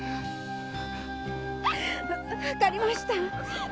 分かりました。